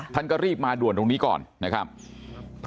ท่านก็รีบมาด่วนตรงนี้ก่อนนะครับ